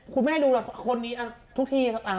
คุณแม่ดูคนนี้ทุกที่ครับ